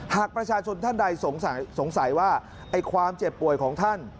หากประชาชนท่านใดสงสัยว่าความเจ็บป่วยของท่าน